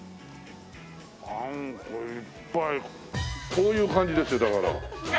こういう感じですよだから。